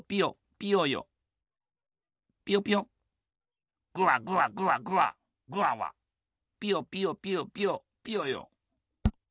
ピヨピヨピヨピヨピヨヨ。